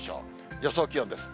予想気温です。